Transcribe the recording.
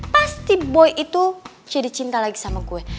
pasti boy itu jadi cinta lagi sama gue